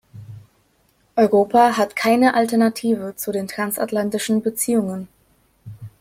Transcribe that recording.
Europa hat keine Alternative zu den transatlantischen Beziehungen.